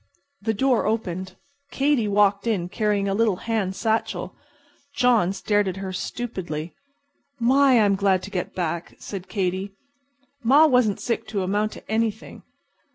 The door opened. Katy walked in carrying a little hand satchel. John stared at her stupidly. "My! I'm glad to get back," said Katy. "Ma wasn't sick to amount to anything.